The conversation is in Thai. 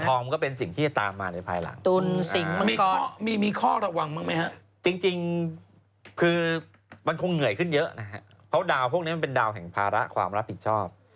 มันคงเหนื่อยขึ้นเยอะนะอย่างนั้นเนี่ยเพราะได้พวกนี้เป็นดาวอันแห่งภาระความรับผิดชอบ